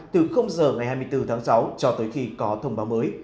từ giờ ngày hai mươi bốn tháng sáu cho tới khi có thông báo mới